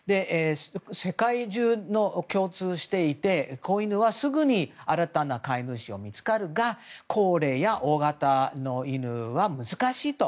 世界中が共通していて子犬はすぐに新たな飼い主が見つかるが高齢や大型の犬は難しいと。